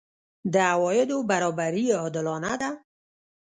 د عوایدو برابري عادلانه ده؟